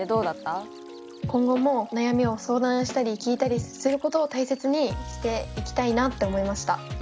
今後も悩みを相談したり聞いたりすることを大切にしていきたいなって思いました。